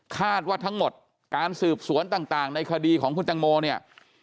คาดว่าทั้งหมดการสืบสวนต่างในคดีของคุณตังโมเนี่ย